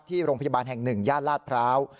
ที่โรงพยาบาลแห่งหนึ่งญาติลาดพร้าว